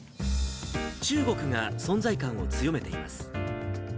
中国が存在感を強めています。